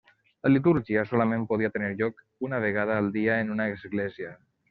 La litúrgia solament podia tenir lloc una vegada al dia en una església.